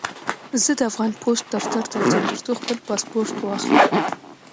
زه د افغان پوسټ دفتر ته ورځم، ترڅو خپل پاسپورټ واخلم.